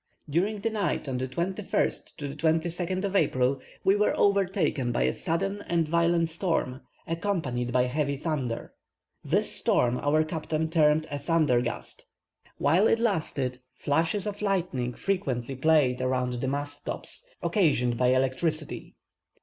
During the night of the 21st to the 22nd of April we were overtaken by a sudden and violent storm, accompanied by heavy thunder; this storm our captain termed a thunder gust. While it lasted flashes of lightning frequently played around the mast top, occasioned by electricity.